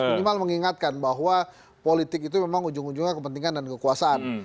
minimal mengingatkan bahwa politik itu memang ujung ujungnya kepentingan dan kekuasaan